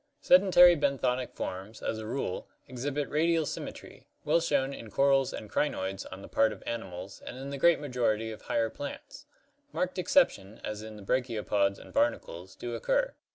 Sedentary benthonic forms, as a rule, exhibit radial symmetry, well shown in corals and crinoids on the part of animals and in the great majority of higher plants. Marked exceptions, as in the brachiopods and barnacles, do occur.